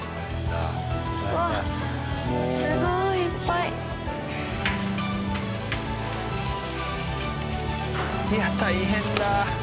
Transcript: いや大変だ。